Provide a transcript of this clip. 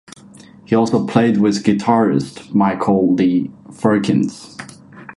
He also played with guitarist Michael Lee Firkins.